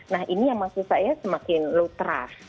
nah ini yang maksud saya semakin lutra